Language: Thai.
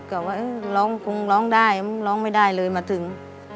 ก็ว่าร้องคงร้องได้ร้องไม่ได้เลยมาถึง